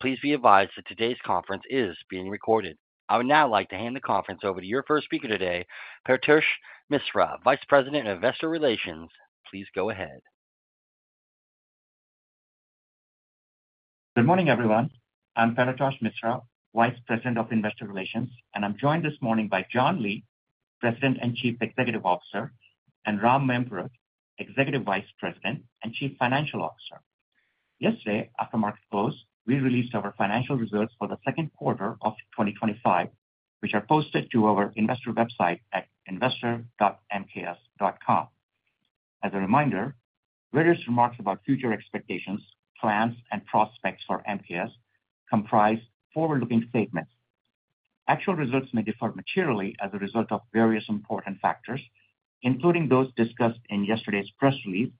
Please be advised that today's conference is being recorded. I would now like to hand the conference over to your first speaker today, Paretosh Misra, Vice President of Investor Relations. Please go ahead. Good morning, everyone. I'm Paretosh Misra, Vice President of Investor Relations, and I'm joined this morning by John Lee, President and Chief Executive Officer, and Ram Mayampurath, Executive Vice President and Chief Financial Officer. Yesterday, after market close, we released our financial results for the second quarter of 2025, which are posted to our investor website at investor.mks.com. As a reminder, various remarks about future expectations, plans, and prospects for MKS comprise forward-looking statements. Actual results may differ materially as a result of various important factors, including those discussed in yesterday's press release,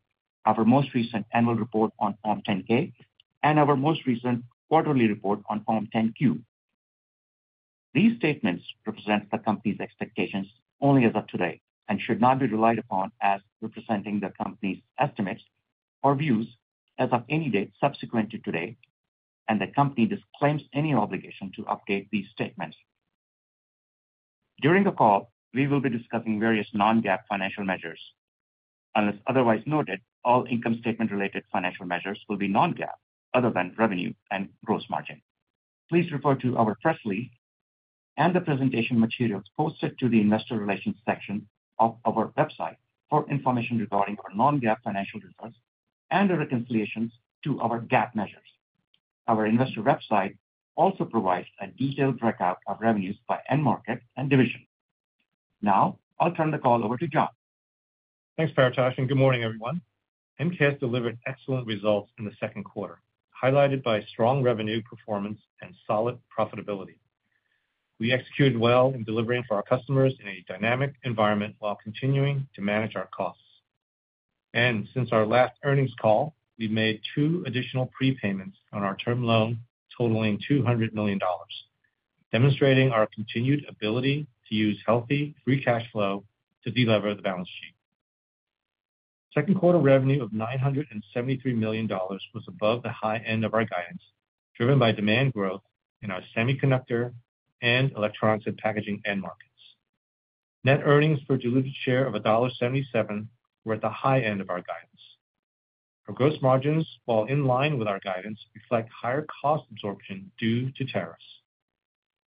our most recent annual report on Form 10-K, and our most recent quarterly report on Form 10-Q. These statements represent the company's expectations only as of today and should not be relied upon as representing the company's estimates or views as of any date subsequent to today, and the company disclaims any obligation to update these statements. During the call, we will be discussing various non-GAAP financial measures. Unless otherwise noted, all income statement-related financial measures will be non-GAAP, other than revenue and gross margin. Please refer to our press release and the presentation materials posted to the Investor Relations section of our website for information regarding our non-GAAP financial results and the reconciliations to our GAAP measures. Our investor website also provides a detailed breakout of revenues by end market and division. Now, I'll turn the call over to John. Thanks, Paretosh, and good morning, everyone. MKS delivered excellent results in the second quarter, highlighted by strong revenue performance and solid profitability. We executed well in delivering for our customers in a dynamic environment while continuing to manage our costs. Since our last earnings call, we've made two additional prepayments on our term loan totaling $200 million, demonstrating our continued ability to use healthy, free cash flow to deliver the balance sheet. Second quarter revenue of $973 million was above the high end of our guidance, driven by demand growth in our semiconductor and electronics and packaging end markets. Net earnings per diluted share of $1.77 were at the high end of our guidance. Our gross margins, while in line with our guidance, reflect higher cost absorption due to tariffs.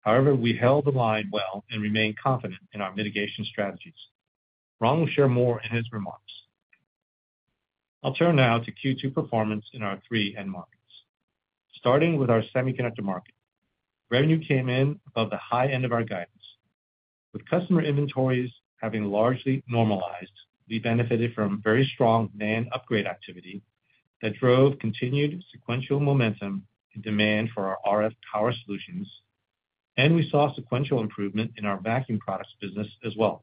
However, we held the line well and remain confident in our mitigation strategies. Ram will share more in his remarks. I'll turn now to Q2 performance in our three end markets. Starting with our semiconductor market, revenue came in above the high end of our guidance. With customer inventories having largely normalized, we benefited from very strong demand upgrade activity that drove continued sequential momentum in demand for our RF power solutions, and we saw sequential improvement in our vacuum products business as well.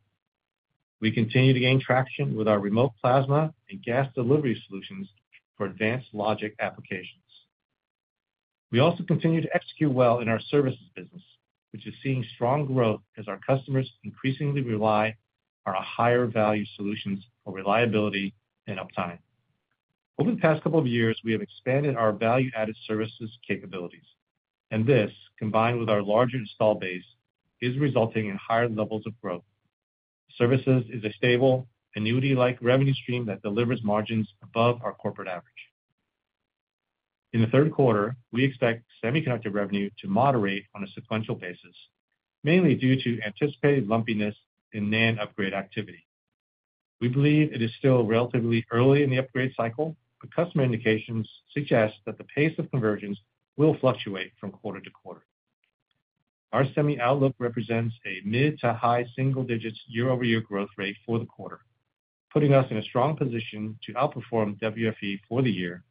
We continue to gain traction with our remote plasma and gas delivery solutions for advanced logic applications. We also continue to execute well in our services business, which is seeing strong growth as our customers increasingly rely on our higher-value solutions for reliability and uptime. Over the past couple of years, we have expanded our value-added services capabilities, and this, combined with our larger install base, is resulting in higher levels of growth. Services is a stable, annuity-like revenue stream that delivers margins above our corporate average. In the third quarter, we expect semiconductor revenue to moderate on a sequential basis, mainly due to anticipated lumpiness in NAND upgrade activity. We believe it is still relatively early in the upgrade cycle, but customer indications suggest that the pace of conversions will fluctuate from quarter to quarter. Our semi-outlook represents a mid-to-high single-digits year-over-year growth rate for the quarter, putting us in a strong position to outperform WFE for the year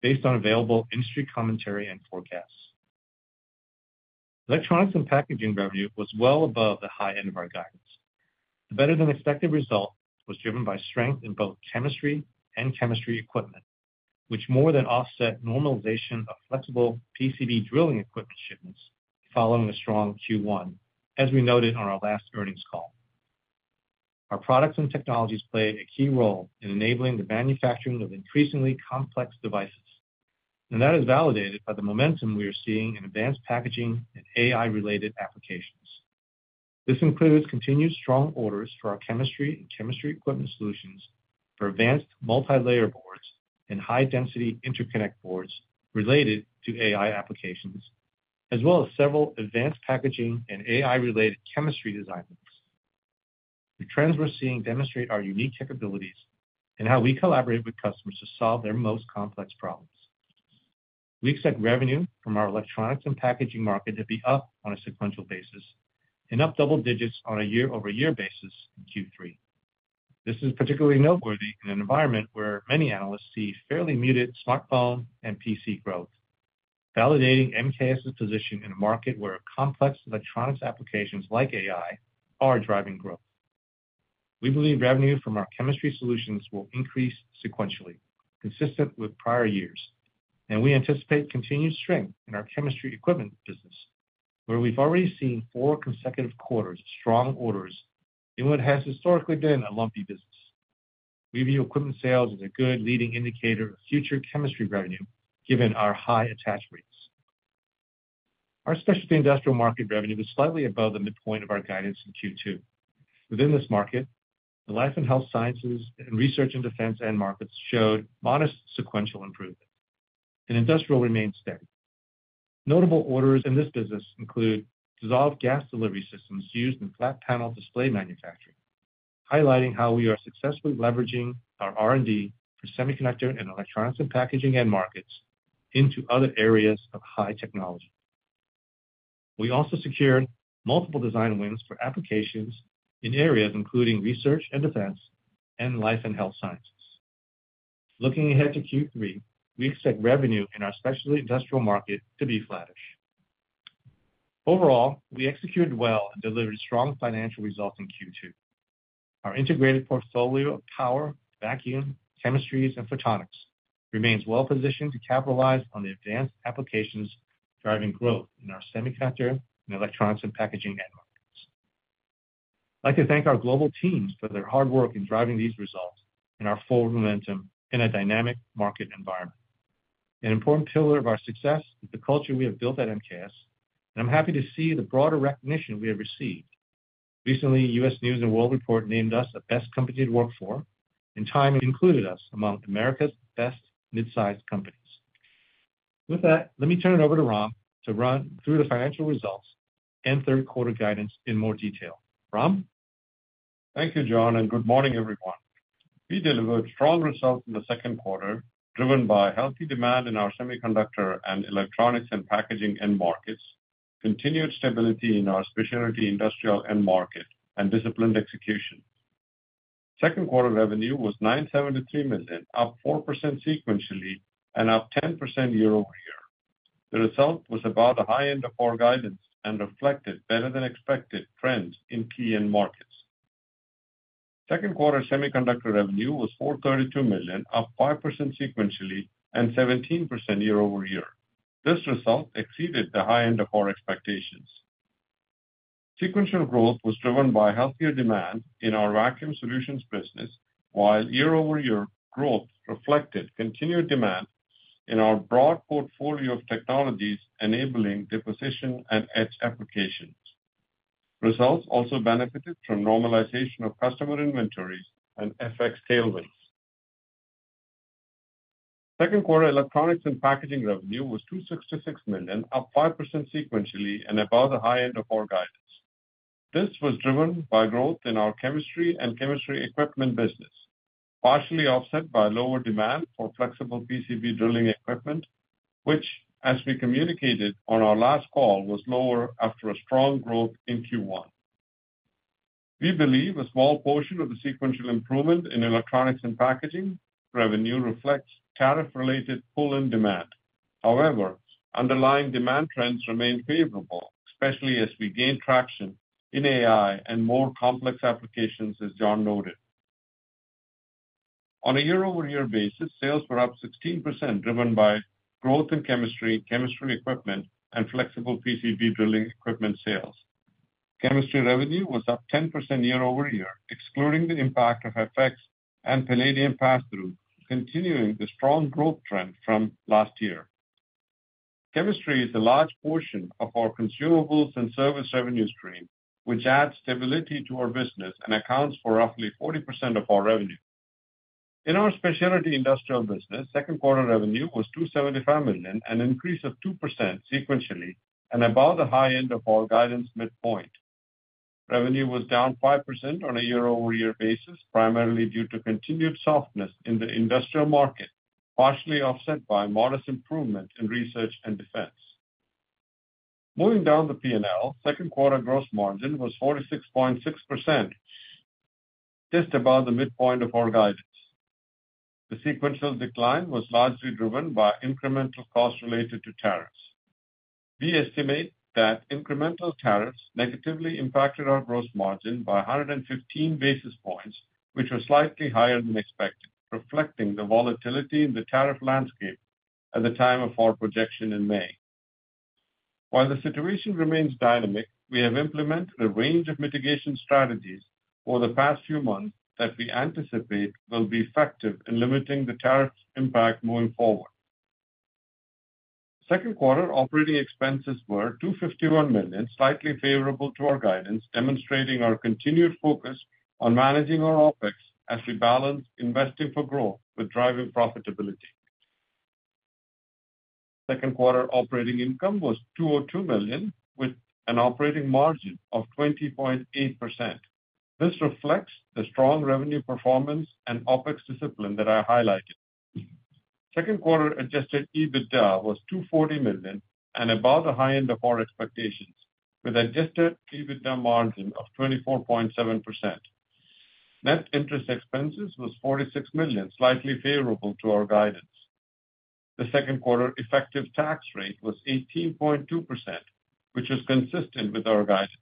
based on available industry commentary and forecasts. Electronics and packaging revenue was well above the high end of our guidance. The better-than-expected result was driven by strength in both chemistry and chemistry equipment, which more than offset normalization of flexible PCB drilling equipment shipments following a strong Q1, as we noted on our last earnings call. Our products and technologies play a key role in enabling the manufacturing of increasingly complex devices, and that is validated by the momentum we are seeing in advanced packaging and AI-related applications. This includes continued strong orders for our chemistry and chemistry equipment solutions for advanced multi-layer boards and high-density interconnect boards related to AI applications, as well as several advanced packaging and AI-related chemistry design boards. The trends we're seeing demonstrate our unique capabilities and how we collaborate with customers to solve their most complex problems. We expect revenue from our electronics and packaging market to be up on a sequential basis and up double digits on a year-over-year basis in Q3. This is particularly noteworthy in an environment where many analysts see fairly muted smartphone and PC growth, validating MKS' position in a market where complex electronics applications like AI are driving growth. We believe revenue from our chemistry solutions will increase sequentially, consistent with prior years, and we anticipate continued strength in our chemistry equipment business, where we've already seen four consecutive quarters of strong orders in what has historically been a lumpy business. We view equipment sales as a good leading indicator of future chemistry revenue, given our high attach rates. Our specialty industrial market revenue is slightly above the midpoint of our guidance in Q2. Within this market, the life and health sciences, and research and defense end markets showed modest sequential improvement, and industrial remains steady. Notable orders in this business include dissolved gas delivery systems used in flat panel display manufacturing, highlighting how we are successfully leveraging our R&D for semiconductor and electronics and packaging end markets into other areas of high technology. We also secured multiple design wins for applications in areas including research and defense and life and health sciences. Looking ahead to Q3, we expect revenue in our specialty industrial market to be flattish. Overall, we executed well and delivered strong financial results in Q2. Our integrated portfolio of power, vacuum, chemistries, and photonics remains well-positioned to capitalize on the advanced applications driving growth in our semiconductor and electronics and packaging end markets. I'd like to thank our global teams for their hard work in driving these results and our forward momentum in a dynamic market environment. An important pillar of our success is the culture we have built at MKS Instruments, and I'm happy to see the broader recognition we have received. Recently, U.S. News and World Report named us the best company to work for, and Time included us among America's best mid-sized companies. With that, let me turn it over to Ram to run through the financial results and third quarter guidance in more detail. Ram? Thank you, John, and good morning, everyone. We delivered strong results in the second quarter, driven by healthy demand in our semiconductor and electronics and packaging end markets, continued stability in our specialty industrial end market, and disciplined execution. Second quarter revenue was $973 million, up 4% sequentially, and up 10% year-over-year. The result was above the high end of our guidance and reflected better-than-expected trends in key end markets. Second quarter semiconductor revenue was $432 million, up 5% sequentially, and 17% year-over-year. This result exceeded the high end of our expectations. Sequential growth was driven by healthier demand in our vacuum solutions business, while year-over-year growth reflected continued demand in our broad portfolio of technologies enabling deposition and etch applications. Results also benefited from normalization of customer inventories and FX tailwinds. Second quarter electronics and packaging revenue was $266 million, up 5% sequentially, and above the high end of our guidance. This was driven by growth in our chemistry and chemistry equipment business, partially offset by lower demand for flexible PCB drilling equipment, which, as we communicated on our last call, was lower after strong growth in Q1. We believe a small portion of the sequential improvement in electronics and packaging revenue reflects tariff-related pull-in demand. However, underlying demand trends remain favorable, especially as we gain traction in AI and more complex applications, as John noted. On a year-over-year basis, sales were up 16%, driven by growth in chemistry, chemistry equipment, and flexible PCB drilling equipment sales. Chemistry revenue was up 10% year-over-year, excluding the impact of FX and palladium pass-through, continuing the strong growth trend from last year. Chemistry is a large portion of our consumables and service revenue stream, which adds stability to our business and accounts for roughly 40% of our revenue. In our specialty industrial business, second quarter revenue was $275 million, an increase of 2% sequentially, and above the high end of our guidance midpoint. Revenue was down 5% on a year-over-year basis, primarily due to continued softness in the industrial market, partially offset by modest improvement in research and defense. Moving down the P&L, second quarter gross margin was 46.6%, just above the midpoint of our guidance. The sequential decline was largely driven by incremental costs related to tariffs. We estimate that incremental tariffs negatively impacted our gross margin by 115 basis points, which was slightly higher than expected, reflecting the volatility in the tariff landscape at the time of our projection in May. While the situation remains dynamic, we have implemented a range of mitigation strategies over the past few months that we anticipate will be effective in limiting the tariff impact moving forward. Second quarter operating expenses were $251 million, slightly favorable to our guidance, demonstrating our continued focus on managing our OpEx as we balance investing for growth with driving profitability. Second quarter operating income was $202 million, with an operating margin of 20.8%. This reflects the strong revenue performance and OpEx discipline that I highlighted. Second quarter adjusted EBITDA was $240 million and above the high end of our expectations, with an adjusted EBITDA margin of 24.7%. Net interest expenses were $46 million, slightly favorable to our guidance. The second quarter effective tax rate was 18.2%, which was consistent with our guidance.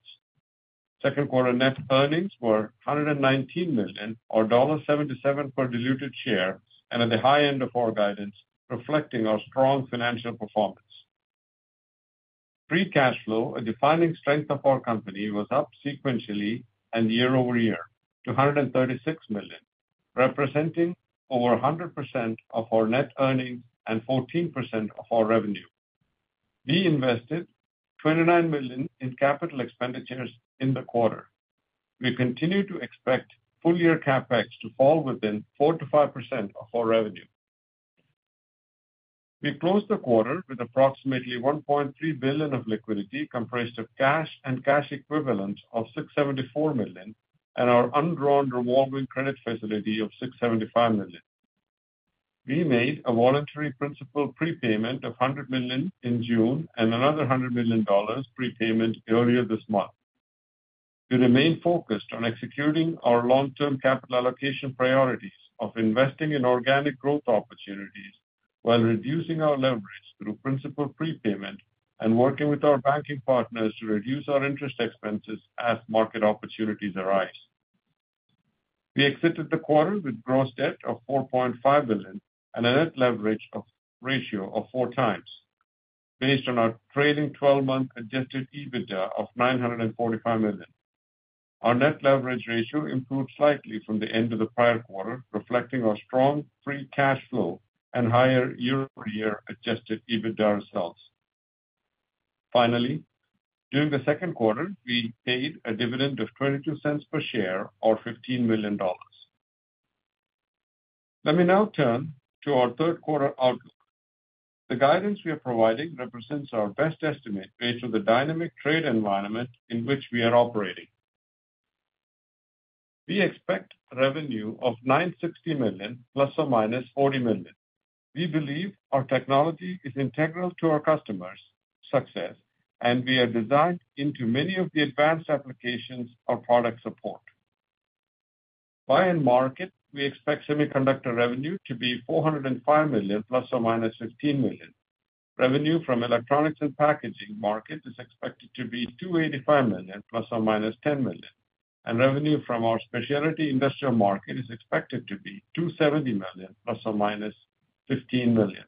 Second quarter net earnings were $119 million, or $1.77 per diluted share, and at the high end of our guidance, reflecting our strong financial performance. Free cash flow, a defining strength of our company, was up sequentially and year-over-year to $136 million, representing over 100% of our net earnings and 14% of our revenue. We invested $29 million in capital expenditures in the quarter. We continue to expect full-year CapEx to fall within 4% to 5% of our revenue. We closed the quarter with approximately $1.3 billion of liquidity, comprised of cash and cash equivalents of $674 million and our undrawn revolving credit facility of $675 million. We made a voluntary principal prepayment of $100 million in June and another $100 million prepayment earlier this month. We remain focused on executing our long-term capital allocation priorities of investing in organic growth opportunities while reducing our leverage through principal prepayment and working with our banking partners to reduce our interest expenses as market opportunities arise. We exited the quarter with gross debt of $4.5 billion and a net leverage ratio of four times, based on our trailing 12-month adjusted EBITDA of $945 million. Our net leverage ratio improved slightly from the end of the prior quarter, reflecting our strong free cash flow and higher year-over-year adjusted EBITDA results. Finally, during the second quarter, we paid a dividend of $0.22 per share, or $15 million. Let me now turn to our third quarter outlook. The guidance we are providing represents our best estimate based on the dynamic trade environment in which we are operating. We expect revenue of $960 million ±$40 million. We believe our technology is integral to our customers' success, and we are designed into many of the advanced applications our products support. By end market, we expect semiconductor revenue to be $405 million ±$15 million. Revenue from electronics and packaging market is expected to be $285 million ±$10 million, and revenue from our specialty industrial market is expected to be $270 million ±$15 million.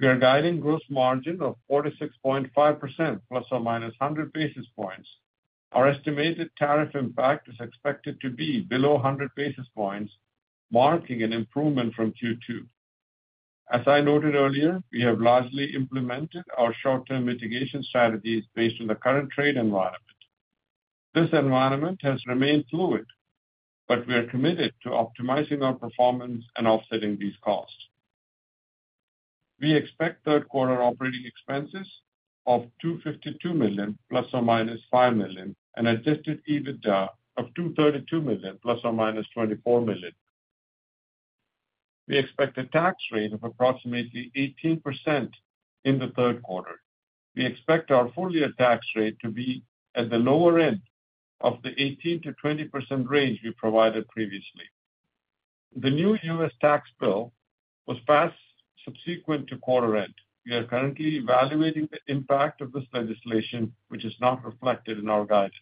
We are guiding gross margin of 46.5% ±100 basis points. Our estimated tariff impact is expected to be below 100 basis points, marking an improvement from Q2. As I noted earlier, we have largely implemented our short-term mitigation strategies based on the current trade environment. This environment has remained fluid, but we are committed to optimizing our performance and offsetting these costs. We expect third quarter operating expenses of $252 million ±$5 million and adjusted EBITDA of $232 million ±$24 million. We expect a tax rate of approximately 18% in the third quarter. We expect our full-year tax rate to be at the lower end of the 18%-20% range we provided previously. The new U.S. tax bill was passed subsequent to quarter end. We are currently evaluating the impact of this legislation, which is not reflected in our guidance.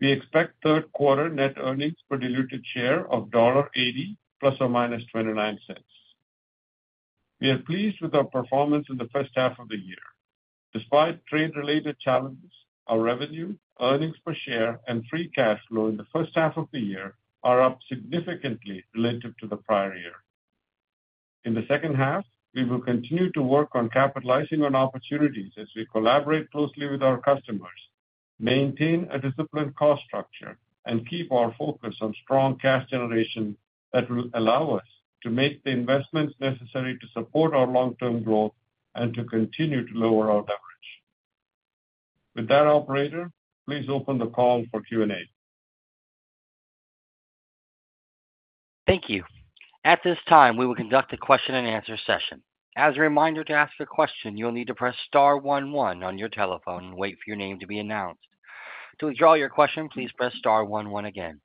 We expect third quarter net earnings per diluted share of $1.80 ±$0.29. We are pleased with our performance in the first half of the year. Despite trade-related challenges, our revenue, earnings per share, and free cash flow in the first half of the year are up significantly relative to the prior year. In the second half, we will continue to work on capitalizing on opportunities as we collaborate closely with our customers, maintain a disciplined cost structure, and keep our focus on strong cash generation that will allow us to make the investments necessary to support our long-term growth and to continue to lower our leverage. With that, operator, please open the call for Q&A. Thank you. At this time, we will conduct a question and answer session. As a reminder, to ask a question, you'll need to press star one one on your telephone and wait for your name to be announced. To withdraw your question, please press star one one again.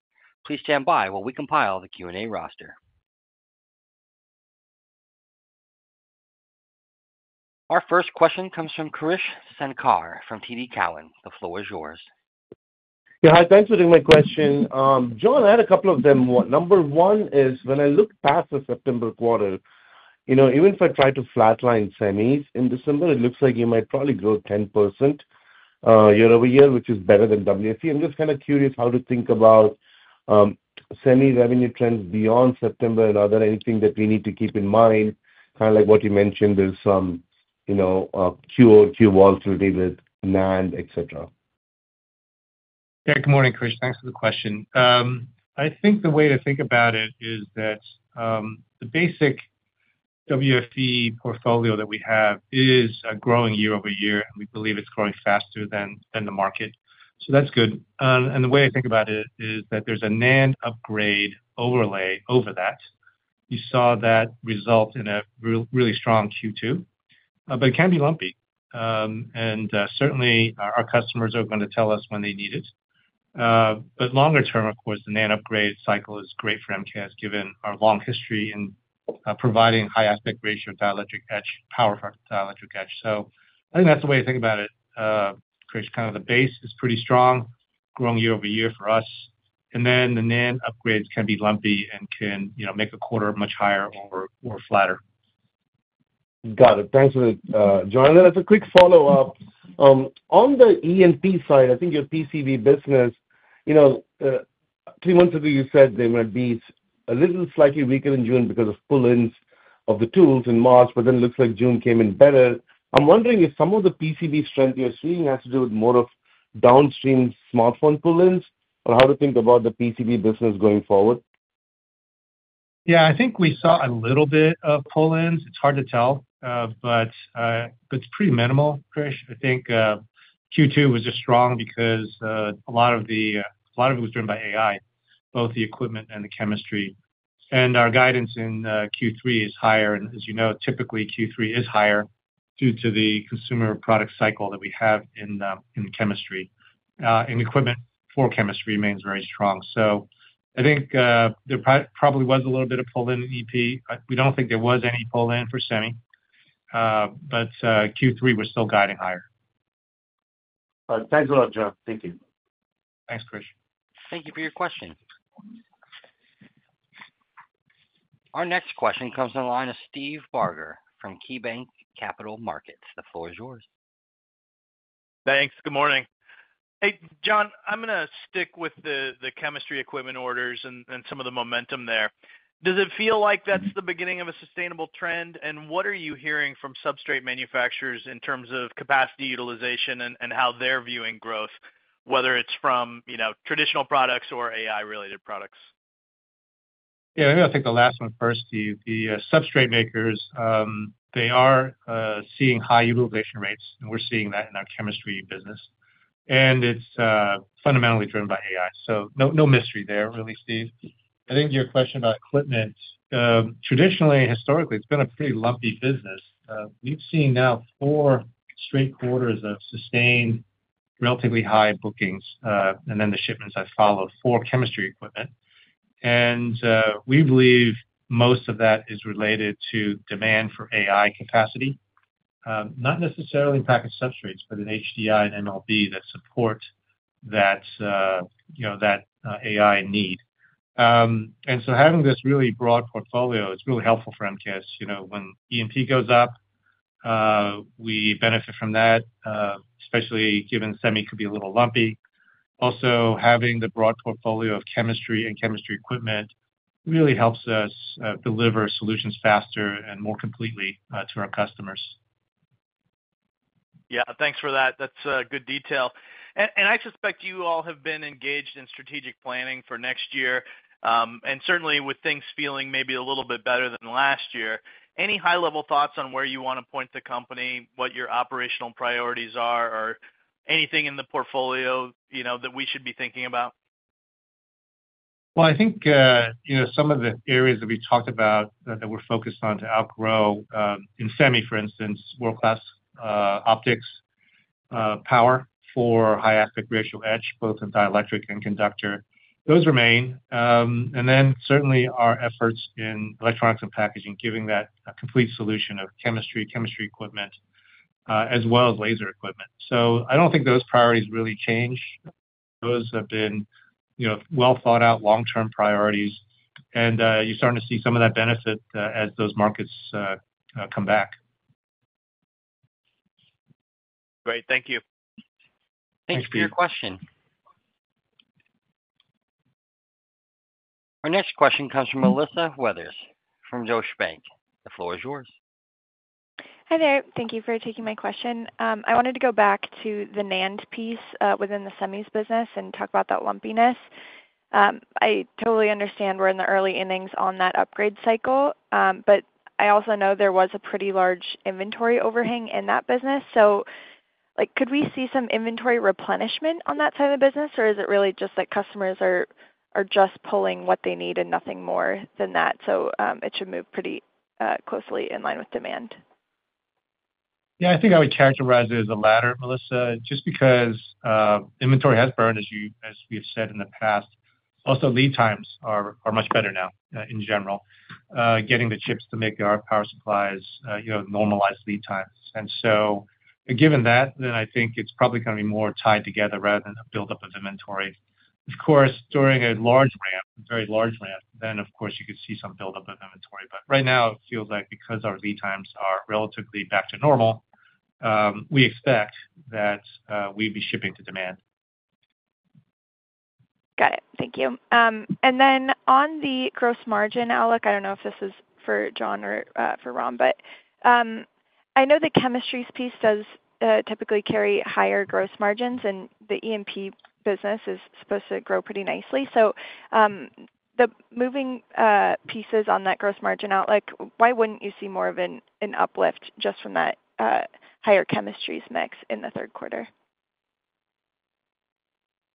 Please stand by while we compile the Q&A roster. Our first question comes from Krish Sankar from TD Cowen. The floor is yours. Yeah, thanks for doing my question. John, I had a couple of them. Number one is, when I look past the September quarter, you know, even if I try to flatline semis in December, it looks like you might probably grow 10% year-over-year, which is better than WFE. I'm just kind of curious how to think about semi revenue trends beyond September, and are there anything that we need to keep in mind? Kind of like what you mentioned, there's some, you know, QOQ volatility with NAND, etc. Yeah, good morning, Karish. Thanks for the question. I think the way to think about it is that the basic WFE portfolio that we have is growing year-over-year, and we believe it's growing faster than the market. That's good. The way I think about it is that there's a NAND upgrade overlay over that. You saw that result in a really strong Q2, but it can be lumpy. Certainly, our customers are going to tell us when they need it. Longer term, of course, the NAND upgrade cycle is great for MKS given our long history in providing high aspect ratio dielectric etch, power dielectric etch. I think that's the way to think about it, Karish. Kind of the base is pretty strong, growing year-over-year for us, and then the NAND upgrades can be lumpy and can, you know, make a quarter much higher or flatter. Got it. Thanks for that, John. As a quick follow-up, on the ENP side, I think your PCB business, three months ago you said they might be a little slightly weaker in June because of pull-ins of the tools in March, but it looks like June came in better. I'm wondering if some of the PCB strength you're seeing has to do with more of downstream smartphone pull-ins or how to think about the PCB business going forward. Yeah, I think we saw a little bit of pull-ins. It's hard to tell, but it's pretty minimal, Krish. I think Q2 was just strong because a lot of it was driven by AI, both the equipment and the chemistry. Our guidance in Q3 is higher, and as you know, typically Q3 is higher due to the consumer product cycle that we have in chemistry. Equipment for chemistry remains very strong. I think there probably was a little bit of pull-in in ENP. We don't think there was any pull-in for semi, but Q3 we're still guiding higher. All right. Thanks a lot, John. Thank you. Thanks, Karish. Thank you for your question. Our next question comes from the line of Steve Barger from KeyBanc Capital Markets. The floor is yours. Thanks. Good morning. Hey, John, I'm going to stick with the chemistry equipment orders and some of the momentum there. Does it feel like that's the beginning of a sustainable trend? What are you hearing from substrate manufacturers in terms of capacity utilization and how they're viewing growth, whether it's from traditional products or AI-related products? Yeah, maybe I'll take the last one first. The substrate makers, they are seeing high utilization rates, and we're seeing that in our chemistry business. It's fundamentally driven by AI. No mystery there, really, Steve. I think your question about equipment, traditionally and historically, it's been a pretty lumpy business. We've seen now four straight quarters of sustained, relatively high bookings, and then the shipments have followed for chemistry equipment. We believe most of that is related to demand for AI capacity, not necessarily in packaged substrates, but in HDI and MLB that support that AI need. Having this really broad portfolio is really helpful for MKS. When ENP goes up, we benefit from that, especially given semi could be a little lumpy. Also, having the broad portfolio of chemistry and chemistry equipment really helps us deliver solutions faster and more completely to our customers. Thanks for that. That's good detail. I suspect you all have been engaged in strategic planning for next year. Certainly, with things feeling maybe a little bit better than last year, any high-level thoughts on where you want to point the company, what your operational priorities are, or anything in the portfolio that we should be thinking about? I think some of the areas that we talked about that we're focused on to outgrow in semi, for instance, world-class optics power for high aspect ratio etch, both in dielectric and conductor, remain. Certainly, our efforts in electronics and packaging, giving that a complete solution of chemistry, chemistry equipment, as well as laser equipment, continue. I don't think those priorities really change. Those have been well thought out long-term priorities, and you're starting to see some of that benefit as those markets come back. Great. Thank you. Thanks for your question. Our next question comes from Melissa Weathers from Deutsche Bank. The floor is yours. Hi there. Thank you for taking my question. I wanted to go back to the NAND piece within the semis business and talk about that lumpiness. I totally understand we're in the early innings on that upgrade cycle, but I also know there was a pretty large inventory overhang in that business. Could we see some inventory replenishment on that side of the business, or is it really just that customers are just pulling what they need and nothing more than that? It should move pretty closely in line with demand. Yeah, I think I would characterize it as a ladder, Melissa, just because inventory has burned, as we have said in the past. Also, lead times are much better now in general, getting the chips to make our power supplies normalize lead times. Given that, I think it's probably going to be more tied together rather than a buildup of inventory. Of course, during a large ramp, very large ramp, you could see some buildup of inventory. Right now, it feels like because our lead times are relatively back to normal, we expect that we'd be shipping to demand. Got it. Thank you. On the gross margin outlook, I don't know if this is for John or for Ram, but I know the chemistry equipment piece does typically carry higher gross margins, and the ENP business is supposed to grow pretty nicely. The moving pieces on that gross margin outlook, why wouldn't you see more of an uplift just from that higher chemistry equipment mix in the third quarter?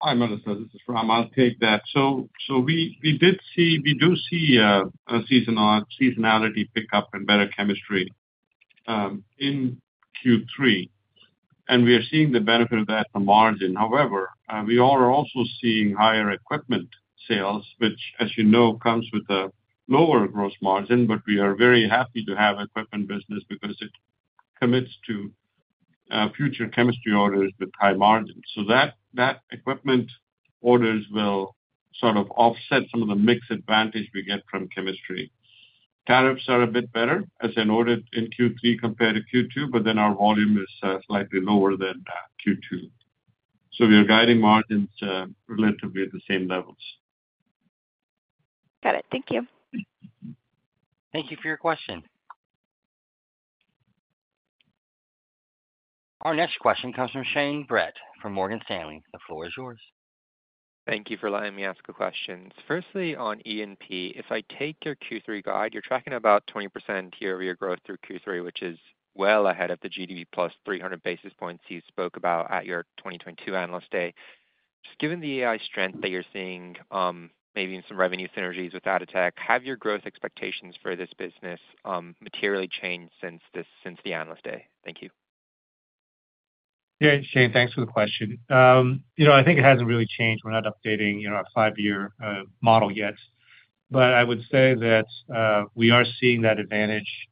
Hi, Melissa. This is Ram. I'll take that. We did see, we do see a seasonality pickup and better chemistry in Q3. We are seeing the benefit of that from margin. However, we are also seeing higher equipment sales, which, as you know, comes with a lower gross margin, but we are very happy to have an equipment business because it commits to future chemistry orders with high margins. That equipment orders will sort of offset some of the mixed advantage we get from chemistry. Tariffs are a bit better, as I noted, in Q3 compared to Q2, but our volume is slightly lower than Q2. We are guiding margins relatively at the same levels. Got it. Thank you. Thank you for your question. Our next question comes from Shane Brett from Morgan Stanley. The floor is yours. Thank you for letting me ask a question. Firstly, on ENP, if I take your Q3 guide, you're tracking about 20% year-over-year growth through Q3, which is well ahead of the GDP plus 300 basis points you spoke about at your 2022 Analyst Day. Given the AI strength that you're seeing, maybe in some revenue synergies with DataTech, have your growth expectations for this business materially changed since the Analyst Day? Thank you. Yeah, Shane, thanks for the question. I think it hasn't really changed. We're not updating our five-year model yet. I would say that we are seeing that advantage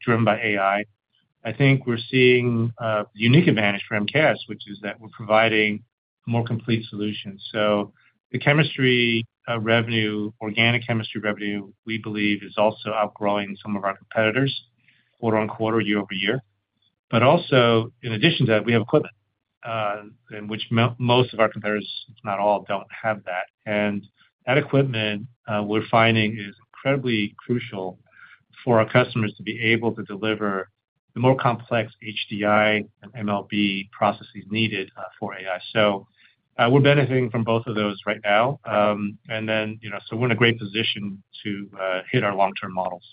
driven by AI. I think we're seeing a unique advantage for MKS Instruments, which is that we're providing more complete solutions. The chemistry revenue, organic chemistry revenue, we believe is also outgrowing some of our competitors quarter-on-quarter, year-over-year. In addition to that, we have equipment, which most of our competitors, if not all, don't have. That equipment we're finding is incredibly crucial for our customers to be able to deliver the more complex HDI and MLB processes needed for AI. We're benefiting from both of those right now. We're in a great position to hit our long-term models.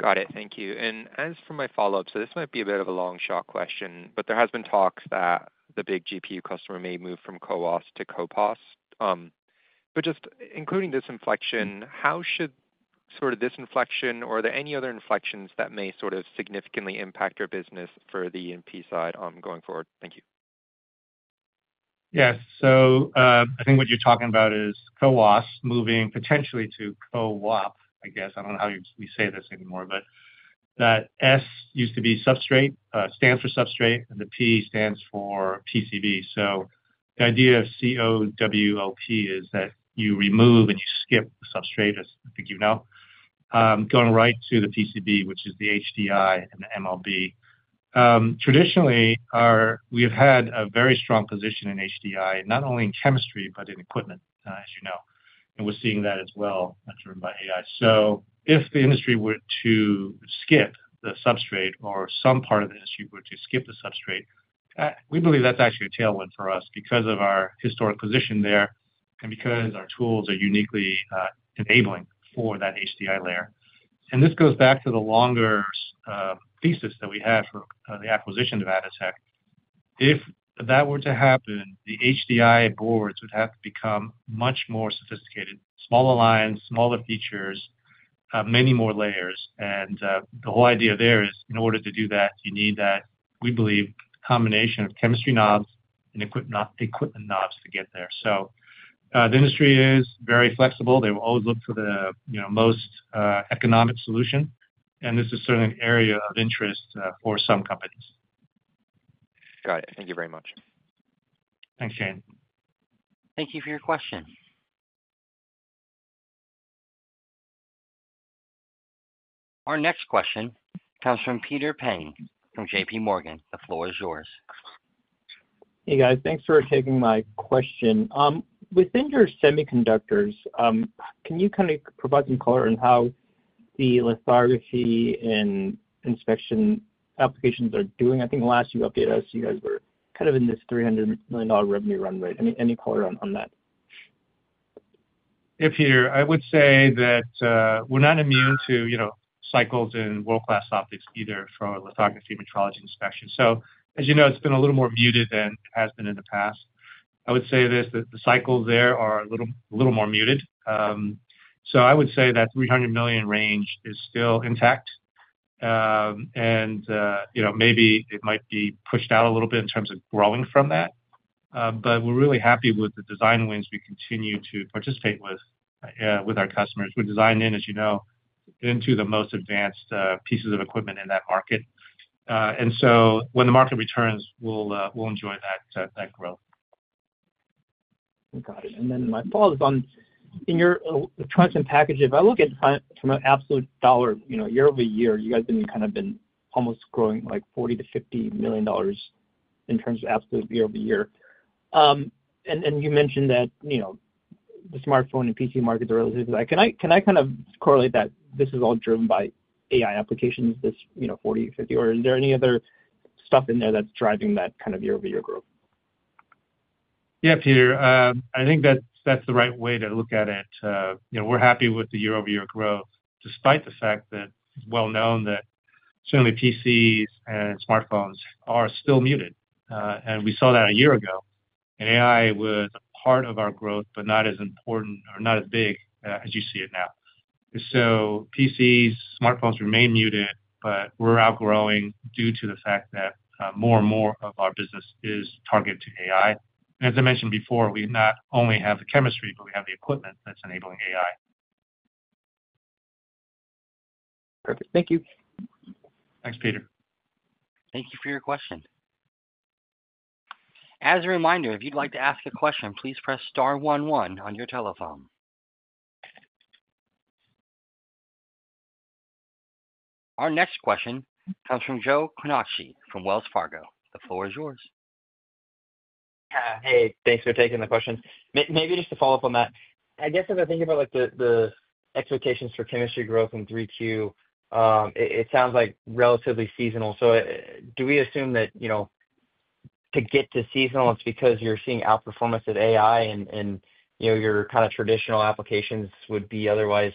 Got it. Thank you. As for my follow-up, this might be a bit of a long shot question, but there have been talks that the big GPU customer may move from CoWoS to CoPoS. Including this inflection, how should this inflection, or are there any other inflections that may significantly impact your business for the ENP side going forward? Thank you. Yeah, so I think what you're talking about is CoWoS moving potentially to CoWoP, I guess. I don't know how we say this anymore, but that S used to be substrate, stands for substrate, and the P stands for PCB. The idea of CoWoP is that you remove and you skip the substrate, as I think you know, going right to the PCB, which is the HDI and the MLB. Traditionally, we have had a very strong position in HDI, not only in chemistry, but in equipment, as you know. We're seeing that as well, driven by AI. If the industry were to skip the substrate or some part of the industry were to skip the substrate, we believe that's actually a tailwind for us because of our historic position there and because our tools are uniquely enabling for that HDI layer. This goes back to the longer thesis that we had for the acquisition of Atotech. If that were to happen, the HDI boards would have to become much more sophisticated, smaller lines, smaller features, many more layers. The whole idea there is, in order to do that, you need, we believe, a combination of chemistry knobs and equipment knobs to get there. The industry is very flexible. They will always look for the most economic solution. This is certainly an area of interest for some companies. Got it. Thank you very much. Thanks, Shane. Thank you for your question. Our next question comes from Peter Peng from JPMorgan. The floor is yours. Hey, guys. Thanks for taking my question. Within your semiconductors, can you kind of provide some color on how the lithography and inspection applications are doing? I think the last few updates I've seen you guys were kind of in this $300 million revenue run rate. Any color on that? I would say that we're not immune to cycles in world-class optics either for lithography and metrology inspection. As you know, it's been a little more muted than it has been in the past. I would say this, that the cycles there are a little more muted. I would say that $300 million range is still intact, and maybe it might be pushed out a little bit in terms of growing from that. We're really happy with the design wins we continue to participate with our customers. We're designed in, as you know, into the most advanced pieces of equipment in that market. When the market returns, we'll enjoy that growth. Got it. My follow-up is on in your electronics and packaging. If I look at from an absolute dollar, you know, year-over-year, you guys have kind of been almost growing like $40 to $50 million in terms of absolute year-over-year. You mentioned that, you know, the smartphone and PC markets are relatively bad. Can I kind of correlate that this is all driven by AI applications, this, you know, $40, $50, or is there any other stuff in there that's driving that kind of year-over-year growth? Yeah, Peter, I think that's the right way to look at it. We're happy with the year-over-year growth despite the fact that it's well known that certainly PCs and smartphones are still muted. We saw that a year ago. AI was part of our growth, but not as important or not as big as you see it now. PCs and smartphones remain muted, but we're outgrowing due to the fact that more and more of our business is targeted to AI. As I mentioned before, we not only have the chemistry, but we have the equipment that's enabling AI. Perfect. Thank you. Thanks, Peter. Thank you for your question. As a reminder, if you'd like to ask a question, please press star one one on your telephone. Our next question comes from Joe Quatrochi from Wells Fargo. The floor is yours. Hey, thanks for taking the question. Maybe just to follow up on that, I guess as I think about the expectations for chemistry growth in 3Q, it sounds like relatively seasonal. Do we assume that to get to seasonal, it's because you're seeing outperformance of AI and your kind of traditional applications would be otherwise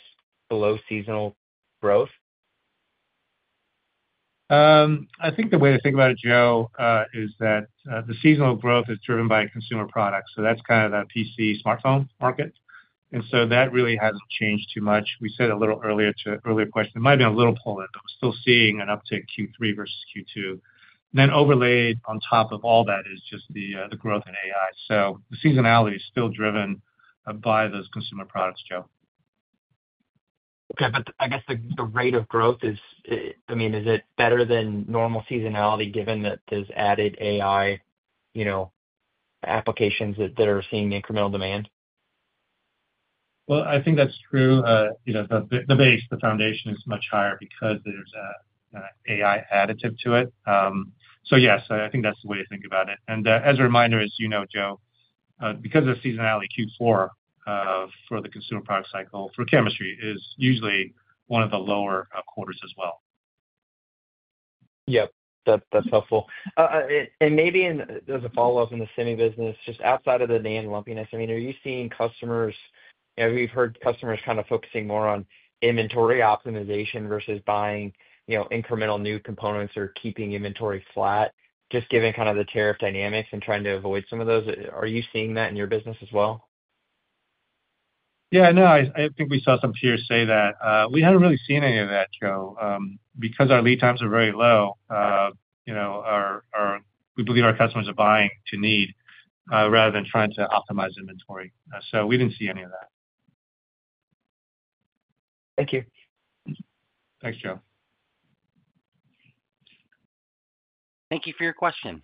below seasonal growth? I think the way to think about it, Joe, is that the seasonal growth is driven by consumer products. That's kind of that PC, smartphone market, and that really hasn't changed too much. We said a little earlier to an earlier question, it might have been a little pull-in, but we're still seeing an uptick Q3 versus Q2. Overlaid on top of all that is just the growth in AI. The seasonality is still driven by those consumer products, Joe. Okay, I guess the rate of growth is, I mean, is it better than normal seasonality given that there's added AI applications that are seeing incremental demand? I think that's true. You know, the base, the foundation is much higher because there's an AI additive to it. Yeah, I think that's the way to think about it. As a reminder, as you know, Joe, because of seasonality, Q4 for the consumer product cycle for chemistry equipment is usually one of the lower quarters as well. That's helpful. Maybe as a follow-up in the semi business, just outside of the NAND lumpiness, are you seeing customers—you know, we've heard customers kind of focusing more on inventory optimization versus buying incremental new components or keeping inventory flat, just given the tariff dynamics and trying to avoid some of those. Are you seeing that in your business as well? Yeah, no, I think we saw some peers say that. We haven't really seen any of that, Joe, because our lead times are very low. We believe our customers are buying to need rather than trying to optimize inventory. We didn't see any of that. Thank you. Thanks, Joe. Thank you for your question.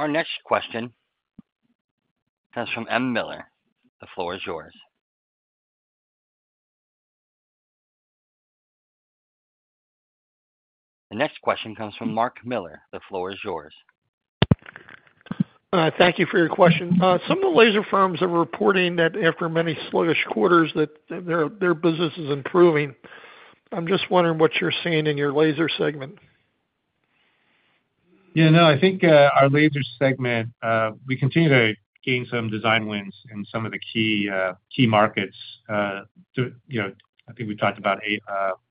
Our next question comes from Mark Miller. The floor is yours. Thank you for your question. Some of the laser firms are reporting that after many sluggish quarters, their business is improving. I'm just wondering what you're seeing in your laser segment. Yeah, no, I think our laser segment, we continue to gain some design wins in some of the key markets. I think we've talked about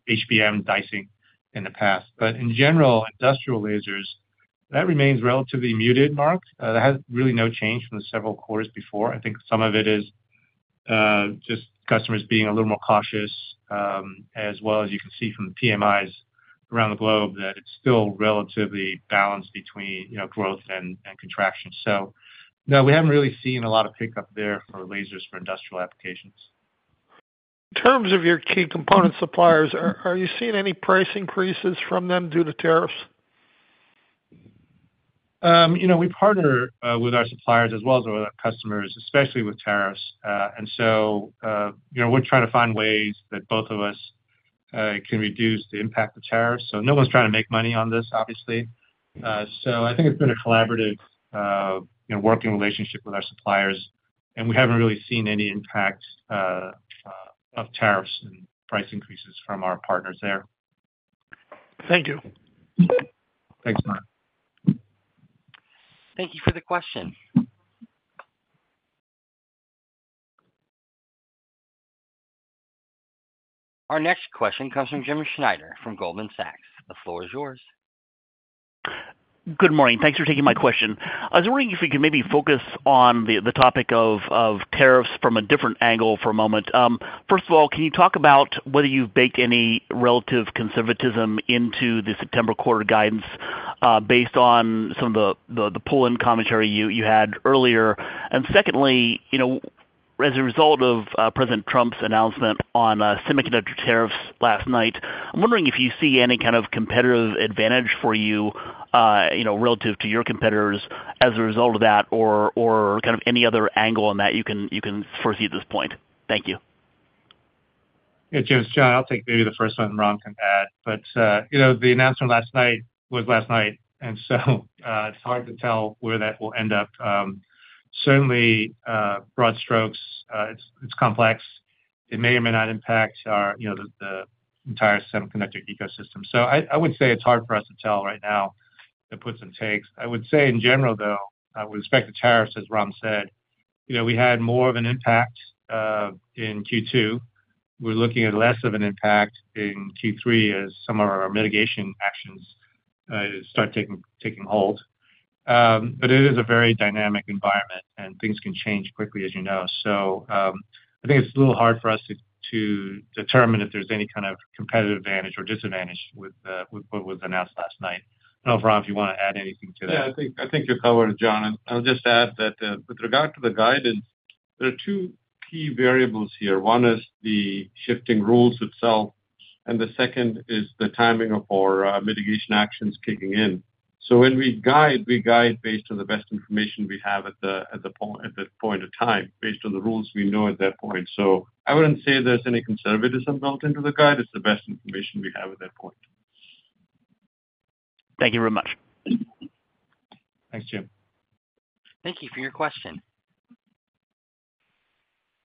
HBM dicing in the past. In general, industrial lasers remain relatively muted, Mark. That has really no change from the several quarters before. I think some of it is just customers being a little more cautious, as well as you can see from the PMIs around the globe that it's still relatively balanced between growth and contraction. No, we haven't really seen a lot of pickup there for lasers for industrial applications. In terms of your key component suppliers, are you seeing any price increases from them due to tariffs? We partner with our suppliers as well as our customers, especially with tariffs. We're trying to find ways that both of us can reduce the impact of tariffs. No one's trying to make money on this, obviously. I think it's been a collaborative working relationship with our suppliers, and we haven't really seen any impact of tariffs and price increases from our partners there. Thank you. Thanks, Mark. Thank you for the question. Our next question comes from Jim Schneider from Goldman Sachs. The floor is yours. Good morning. Thanks for taking my question. I was wondering if we could maybe focus on the topic of tariffs from a different angle for a moment. First of all, can you talk about whether you've baked any relative conservatism into the September quarter guidance based on some of the pull-in commentary you had earlier? Secondly, as a result of President Trump's announcement on semiconductor tariffs last night, I'm wondering if you see any kind of competitive advantage for you relative to your competitors as a result of that or any other angle on that you can foresee at this point. Thank you. Yeah, Jim, John, I'll take maybe the first one and Ram can add. The announcement last night was last night, and it's hard to tell where that will end up. Certainly, broad strokes, it's complex. It may or may not impact our, you know, the entire semiconductor ecosystem. I would say it's hard for us to tell right now. It puts some takes. I would say in general, though, I would expect the tariffs, as Ram said, we had more of an impact in Q2. We're looking at less of an impact in Q3 as some of our mitigation actions start taking hold. It is a very dynamic environment and things can change quickly, as you know. I think it's a little hard for us to determine if there's any kind of competitive advantage or disadvantage with what was announced last night. I don't know if Ram, if you want to add anything to that. Yeah, I think you're covering it, John. I'll just add that with regard to the guidance, there are two key variables here. One is the shifting rules itself, and the second is the timing of our mitigation actions kicking in. When we guide, we guide based on the best information we have at the point of time, based on the rules we know at that point. I wouldn't say there's any conservatism built into the guide. It's the best information we have at that point. Thank you very much. Thanks, Jim. Thank you for your question.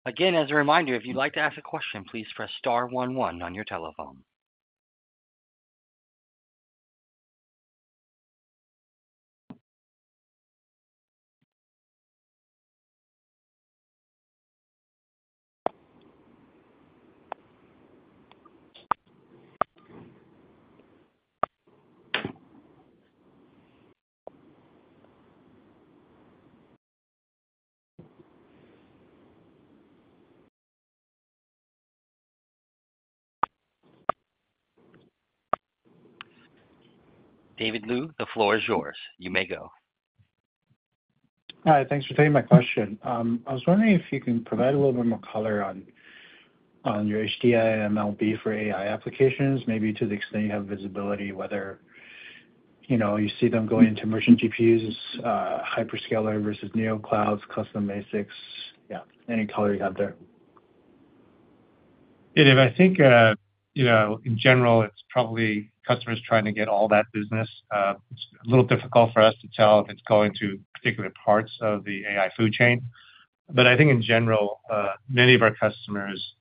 Again, as a reminder, if you'd like to ask a question, please press star one one on your telephone. David Lu, the floor is yours. You may go. Hi, thanks for taking my question. I was wondering if you can provide a little bit more color on your HDI and MLB for AI applications, maybe to the extent you have visibility, whether you see them going into merchant GPUs, hyperscaler versus NeoCloud, Custom Matrix. Yeah, any color you have there. Yeah, Dave, I think, you know, in general, it's probably customers trying to get all that business. It's a little difficult for us to tell if it's going to particular parts of the AI food chain. I think in general, many of our customers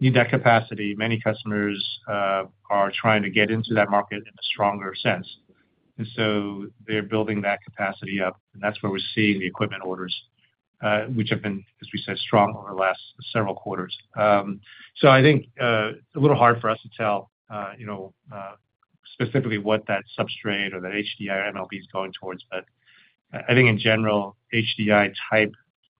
need that capacity. Many customers are trying to get into that market in a stronger sense, and they're building that capacity up. That's where we're seeing the equipment orders, which have been, as we said, strong over the last several quarters. I think it's a little hard for us to tell, you know, specifically what that substrate or that HDI or MLB is going towards. I think in general, HDI type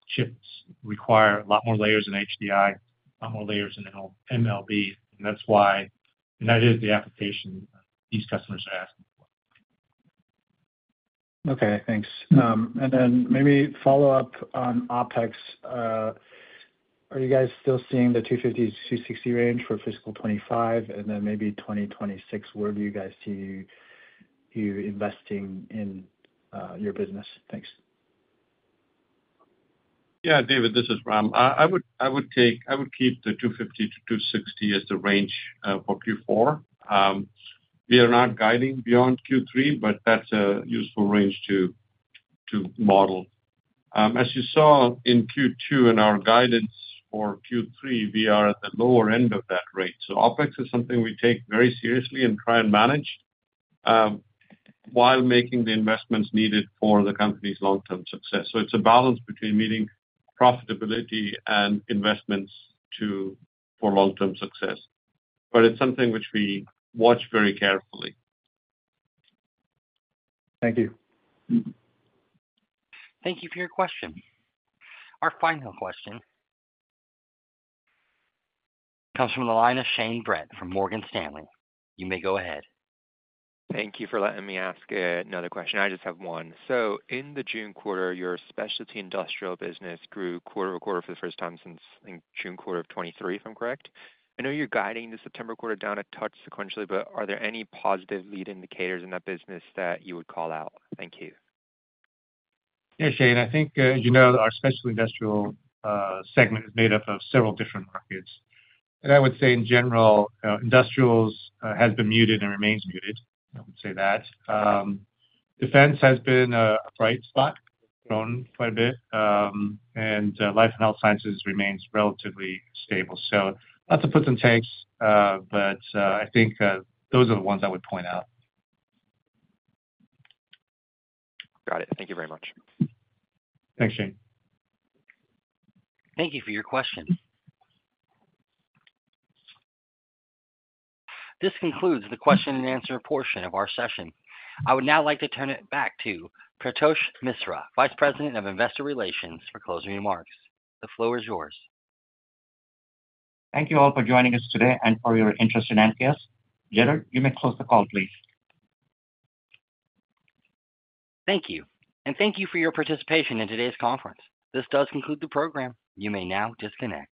chips require a lot more layers in HDI, a lot more layers in the MLB, and that is the application these customers are asking for. Okay, thanks. Maybe follow up on OpEx. Are you guys still seeing the $250-$260 million range for fiscal 2025, and then maybe 2026? Where do you guys see you investing in your business? Thanks. Yeah, David, this is Ram. I would keep the $250-$260 as the range for Q4. We are not guiding beyond Q3, but that's a useful range to model. As you saw in Q2 and our guidance for Q3, we are at the lower end of that range. OpEx is something we take very seriously and try and manage while making the investments needed for the company's long-term success. It's a balance between meeting profitability and investments for long-term success. It's something which we watch very carefully. Thank you. Thank you for your question. Our final question comes from the line of Shane Brett from Morgan Stanley. You may go ahead. Thank you for letting me ask another question. I just have one. In the June quarter, your specialty industrial business grew quarter-over-quarter for the first time since, I think, the June quarter of 2023, if I'm correct. I know you're guiding the September quarter down a touch sequentially, but are there any positive lead indicators in that business that you would call out? Thank you. Yeah, Shane, I think, as you know, our specialty industrial segment is made up of several different markets. I would say in general, industrials have been muted and remain muted. I would say that defense has been a bright spot, grown quite a bit, and life and health sciences remain relatively stable. Lots of puts and takes, but I think those are the ones I would point out. Got it. Thank you very much. Thanks, Shane. Thank you for your question. This concludes the question and answer portion of our session. I would now like to turn it back to Paretosh Misra, Vice President of Investor Relations, for closing remarks. The floor is yours. Thank you all for joining us today and for your interest in MKS. Jeter, you may close the call, please. Thank you. Thank you for your participation in today's conference. This does conclude the program. You may now disconnect.